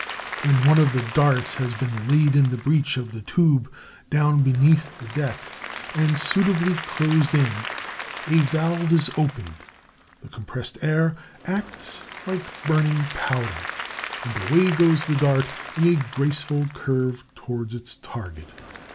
When one of the darts has been laid in the breech of the tube, down beneath the deck, and suitably closed in, a valve is opened, the compressed air acts like burning powder, and away goes the dart, in a graceful curve to its target.